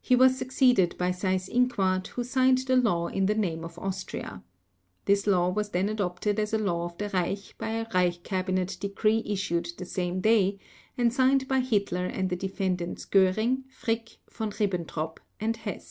He was succeeded by Seyss Inquart, who signed the law in the name of Austria. This law was then adopted as a law of the Reich by a Reich Cabinet decree issued the same day, and signed by Hitler and the Defendants Göring, Frick, Von Ribbentrop, and Hess.